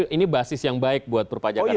ini basis yang baik buat perpajakan